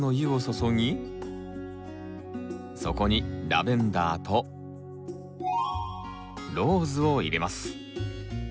そこにラベンダーとローズを入れます。